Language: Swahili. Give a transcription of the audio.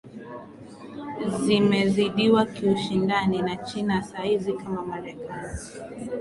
zimezidiwa kiushindani na china saa hizi kama marekani